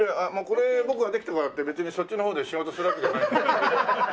これ僕ができたからって別にそっちの方で仕事するわけじゃない。